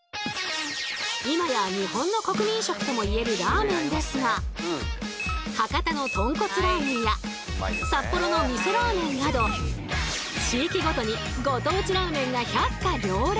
今や日本の国民食とも言えるラーメンですが博多の豚骨ラーメンや札幌のみそラーメンなど地域ごとにご当地ラーメンが百花繚乱。